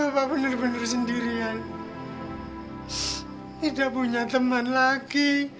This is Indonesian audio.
hal adapa nasib attracting dipatikan dengan kemajuan